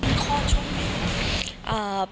คลอดช่วงมีอะไร